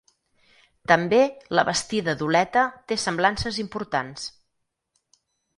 També la Bastida d'Oleta té semblances importants.